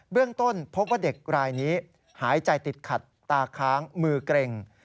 เรื่องต้นพบว่าเด็กรายนี้หายใจติดขัดตาค้างมือเกร็ง